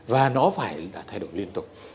và nó phải là thay đổi liên tục